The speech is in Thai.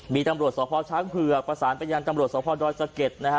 มีตำรวจสพช้างเผือกประสานไปยังตำรวจสพดอยสะเก็ดนะฮะ